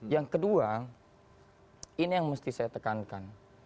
yang kedua ini yang mesti saya tekankan